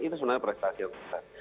itu sebenarnya prestasi yang besar